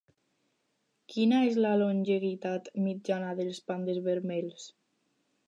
Quina és la longevitat mitjana dels pandes vermells?